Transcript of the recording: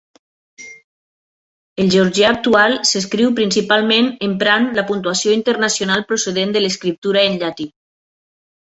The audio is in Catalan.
El georgià actual s'escriu principalment emprat la puntuació internacional procedent de l'escriptura en llatí.